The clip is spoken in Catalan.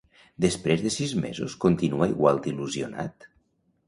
Després de sis mesos continua igual d'il·lusionat?